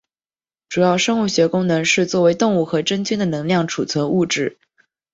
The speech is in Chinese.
主要生物学功能是作为动物和真菌的能量储存物质。